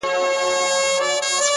• دغه د اور ځنځير ناځوانه ځنځير ـ